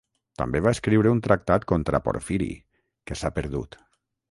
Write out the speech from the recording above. També va escriure un tractat contra Porfiri, que s'ha perdut.